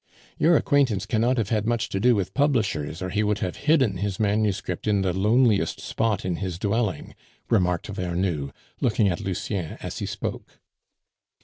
"Your acquaintance cannot have had much to do with publishers, or he would have hidden his manuscript in the loneliest spot in his dwelling," remarked Vernou, looking at Lucien as he spoke.